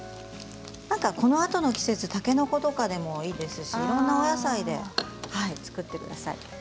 このあとの季節たけのことかでもいいですしいろいろなお野菜で作ってください。